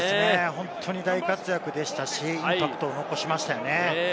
本当に大活躍でしたし、インパクトを残しましたよね。